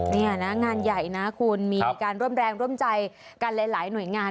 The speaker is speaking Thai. นี่นะงานใหญ่นะคุณมีการร่วมแรงร่วมใจกันหลายหน่วยงาน